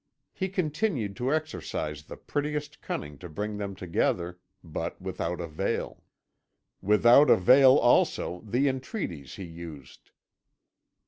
He continued to exercise the prettiest cunning to bring them together, but without avail. Without avail, also, the entreaties he used.